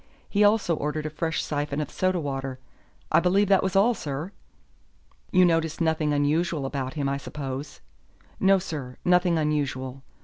He also ordered a fresh syphon of soda water. I believe that was all, sir." "You noticed nothing unusual about him, I suppose." "No, sir, nothing unusual.